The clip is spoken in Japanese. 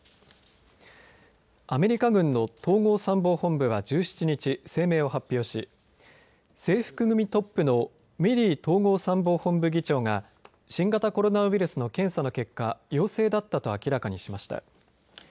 アメリカ軍の統合参謀本部は１７日、声明を発表し制服組トップのミリー統合参謀本部議長が新型コロナウイルスの検査の結果、陽性だったと明らかにしました。